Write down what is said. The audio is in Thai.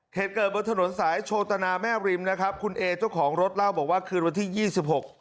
เหตุเกิดบนถนนสายโชตนาแม่ริมนะครับคุณเอเจ้าของรถเล่าบอกว่าคืนวันที่ยี่สิบหก